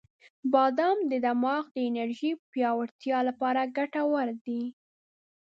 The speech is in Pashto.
• بادام د دماغ د انرژی پیاوړتیا لپاره ګټور دی.